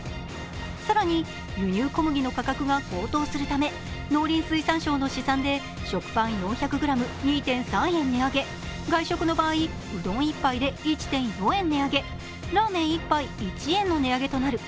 更に、輸入小麦の価格が高騰するため農林水産省の試算で食パン４００ｇ２．３円値上げ外食の場合、うどん１杯で１．４円値上げラーメン１杯１円の値上げとなる。